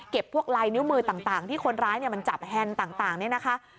พวกลายนิ้วมือต่างที่คนร้ายมันจับแฮนด์ต่างเนี่ยนะคะ